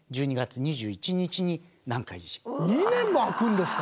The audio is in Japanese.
２年も空くんですか！？